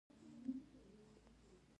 زده کړه نجونو ته د ګلانو د ساتنې لارې ښيي.